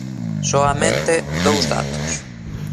Soamente dous datos.